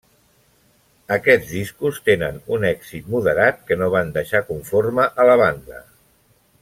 Aquests discos tenen un èxit moderat que no van deixar conforme a la banda.